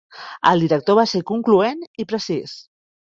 El director va ser concloent i precís.